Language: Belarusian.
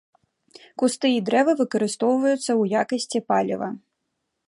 Кусты і дрэвы выкарыстоўваюцца ў якасці паліва.